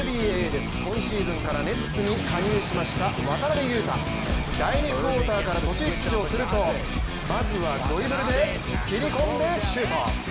今シーズンからメッツに加入しました渡邊雄太、第２クオーターから途中出場すると、まずはドリブルで切り込んでシュート。